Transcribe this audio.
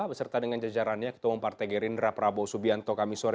beserta dengan jajarannya ketua umum partai gerindra prabowo subianto kami sore